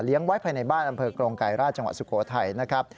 เลี้ยงไว้ไปในบ้านอัมเภอกรงไกราชจังหวัดสุโขทัยนะครับ